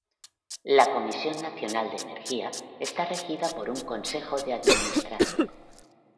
La Comisión Nacional de Energía está regida por un Consejo de Administración.